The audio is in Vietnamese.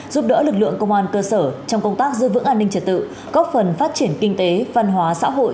giúp đỡ lực lượng công an cơ sở trong công tác giữ vững an ninh trật tự góp phần phát triển kinh tế văn hóa xã hội